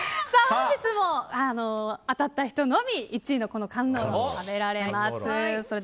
本日も当たった人のみ１位のカンノーロ食べられます。